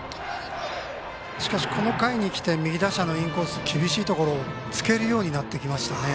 しかし、この回にきて右打者のインコース厳しいところをつけるようになってきました。